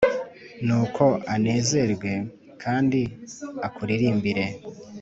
Nuko anezerwe kandi akuririmbire